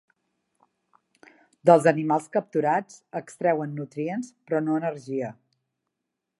Dels animals capturats extreuen nutrients però no energia.